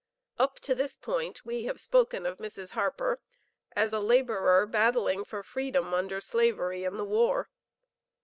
Up to this point, we have spoken of Mrs. Harper as a laborer, battling for freedom under slavery and the war.